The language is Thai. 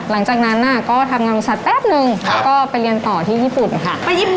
หลังจากนั้นก็ทำงานบริษัทแป๊บนึงแล้วก็ไปเรียนต่อที่ญี่ปุ่นค่ะ